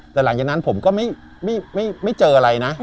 แต่หลังจากนั้นผมก็ไม่เจออะไรนะ